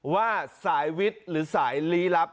ว่าสายวิทย์หรือสายลี้ลับ